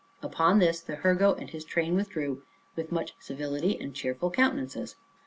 Upon this, the Hurgo and his train withdrew, with much civility and cheerful countenances.